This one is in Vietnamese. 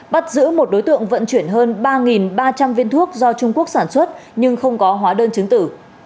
bắt giữ một đối tượng vận chuyển hơn ba ba trăm linh viên thuốc do trung quốc sản xuất nhưng không có hóa đơn chứng tử